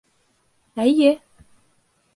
— Эйе!